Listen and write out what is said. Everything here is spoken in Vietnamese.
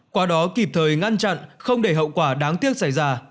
qua đó kịp thời ngăn chặn không để hậu quả đáng tiếc xảy ra